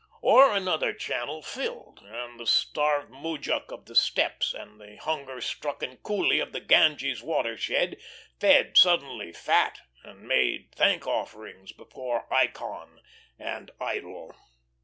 Or another channel filled, and the starved moujik of the steppes, and the hunger shrunken coolie of the Ganges' watershed fed suddenly fat and made thank offerings before ikon and idol.